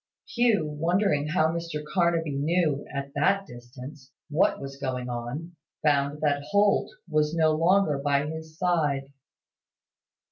Hugh, wondering how Mr Carnaby knew, at that distance, what was going on, found that Holt was no longer by his side.